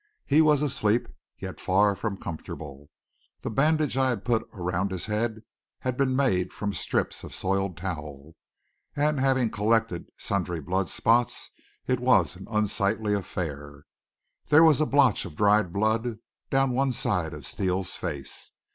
He was asleep, yet far from comfortable. The bandage I had put around his head had been made from strips of soiled towel, and, having collected sundry bloody spots, it was an unsightly affair. There was a blotch of dried blood down one side of Steele's face.